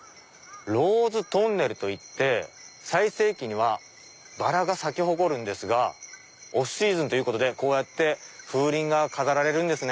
ローズトンネルといって最盛期にはバラが咲き誇るんですがオフシーズンということで風鈴が飾られるんです。